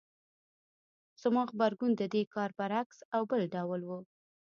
زما غبرګون د دې کار برعکس او بل ډول و.